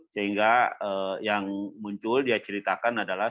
sehingga yang muncul dia ceritakan adalah